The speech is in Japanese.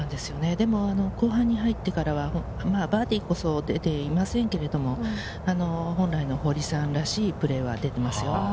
でも後半に入ってからはバーディーこそ出ていませんが、本来の堀さんらしいプレーが出ていますよ。